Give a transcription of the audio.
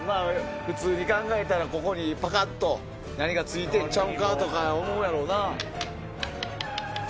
普通に考えたらここにパカっと何か付いてんちゃうんか？とか思うやろうな。